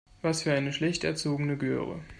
Was für eine schlecht erzogene Göre.